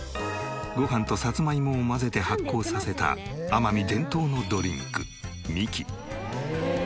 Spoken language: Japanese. ご飯とさつまいもを混ぜて発酵させた奄美伝統のドリンクみき。